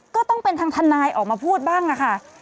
ก็ต้องเป็นทางทนายออกมาพูดบ้างค่ะ